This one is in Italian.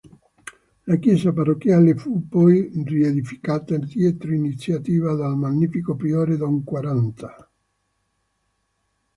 La Chiesa Parrocchiale fu poi riedificata dietro iniziativa del magnifico Priore Don Quaranta.